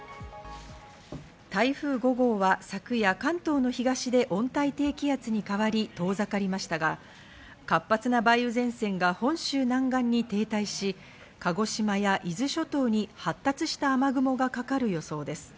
台風５号は昨夜、関東の東で温帯低気圧に変わり遠ざかりましたが、活発な梅雨前線が本州南岸に停滞し、鹿児島や伊豆諸島に発達した雨雲がかかる予想です。